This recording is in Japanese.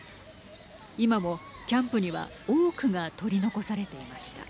今もキャンプには多くが取り残されていました。